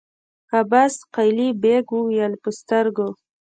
عباس قلي بېګ وويل: په سترګو!